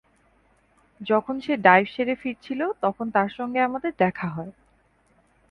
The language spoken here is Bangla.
যখন সে ডাইভ সেরে ফিরছিল তখন তার সঙ্গে আমাদের দেখা হয়।